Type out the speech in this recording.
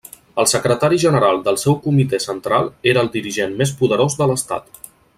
El secretari general del seu Comitè Central era el dirigent més poderós de l'Estat.